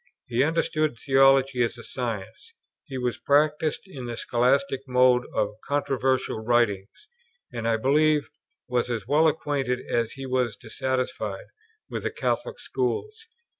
He understood theology as a science; he was practised in the scholastic mode of controversial writing; and, I believe, was as well acquainted, as he was dissatisfied, with the Catholic schools.